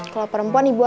kalau perempuan ibu aku